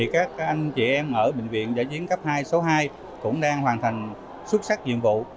các anh chị em ở bệnh viện giã chiến cấp hai số hai cũng đang hoàn thành xuất sắc nhiệm vụ